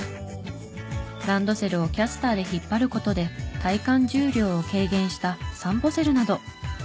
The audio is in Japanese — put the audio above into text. ランドセルをキャスターで引っ張る事で体感重量を軽減したさんぽセルなど。